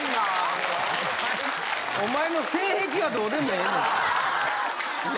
おまえの性癖はどうでもええねん！